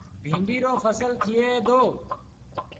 بيٚنڊيٚ رو ڦسل ٿئي دو۔